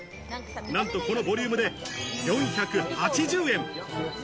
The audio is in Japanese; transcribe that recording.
何と、このボリュームで４８０円。